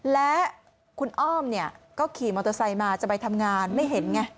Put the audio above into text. และคุณอ้อมเนี่ยก็ขี่มอเตอร์ไซค์มาจะไปทำงานไม่เห็นไง